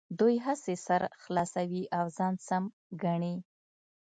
دوی هسې سر خلاصوي او ځان سم ګڼي.